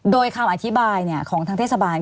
โดยคำอธิบายของทางเทศบาล